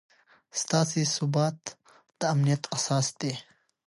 سیاسي ثبات د امنیت اساس دی